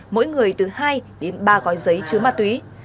mỗi người từ hai đến ba gói giấy chứa ma túy